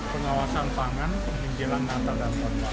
pengawasan pangan di jelang natal dan tahun baru